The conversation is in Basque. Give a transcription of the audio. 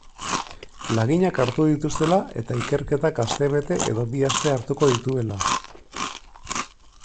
Laginak hartu dituztela eta ikerketak astebete edo bi aste hartuko dituela.